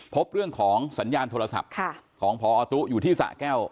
พบเรื่องของสัญญาณโทรศัพท์ของพอตุ๊อยู่ที่สะแก้ว